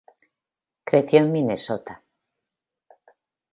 Creció en Minnesota.